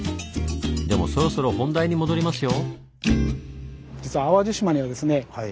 でもそろそろ本題に戻りますよ。